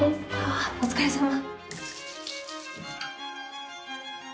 あお疲れさま。